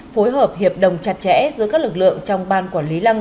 phối hợp hiệp đồng chặt chẽ giữa các lực lượng trong ban quản lý lăng